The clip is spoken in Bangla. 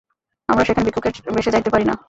আমরা সেখানে ভিক্ষুকের বেশে যাইতে পারি না।